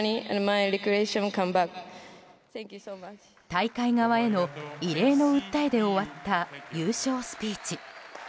大会側への異例の訴えで終わった優勝スピーチ。